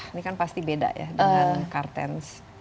ini kan pasti beda ya dengan kartens